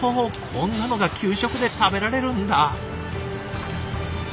こんなのが給食で食べられるんだ。